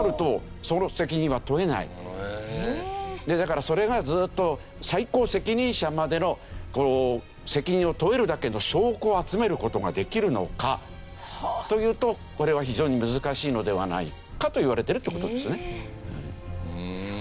となるとだからそれがずっと最高責任者までの責任を問えるだけの証拠を集める事ができるのかというとこれは非常に難しいのではないかといわれてるって事ですね。